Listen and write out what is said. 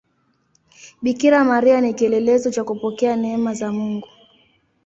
Bikira Maria ni kielelezo cha kupokea neema za Mungu.